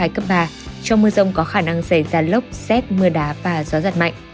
trong mưa rông có khả năng xảy ra lốc xét mưa đá và gió giật mạnh